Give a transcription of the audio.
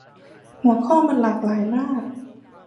หัวข้อมันหลากหลายมาก